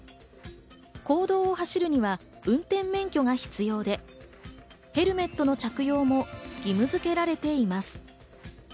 公道を走るには運転免許が必要でヘルメットの着用も義務づけられています。